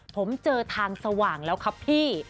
ผมเจอทางสว่างแล้วครับพี่